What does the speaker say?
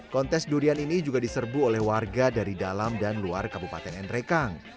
kontes durian ini juga diserbu oleh warga dari dalam dan luar kabupaten nrekang